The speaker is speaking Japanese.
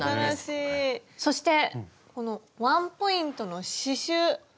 そしてこのワンポイントの刺しゅう！